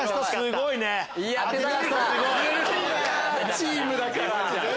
チームだから。